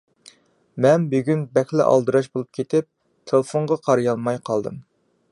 مەن بۈگۈن بەكلا ئالدىراش بولۇپ كېتىپ، تېلېفونغا قارىيالماي قالدىم.